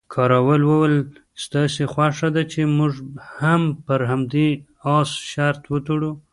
کراول وویل، ستاسې خوښه ده چې موږ هم پر همدې اس شرط وتړو؟